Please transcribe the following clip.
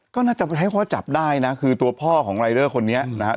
ก็น่าจะให้พ่อจับได้นะคือตัวพ่อของรายเดอร์คนนี้นะครับ